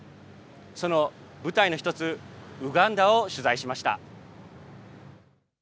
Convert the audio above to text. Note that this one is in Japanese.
その舞台の一つ、ウガンダを取材しました。